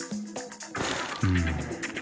うん。